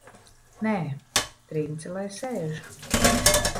Nē, Trince lai sēž!